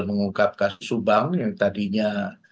mengungkap kasus subang yang tadinya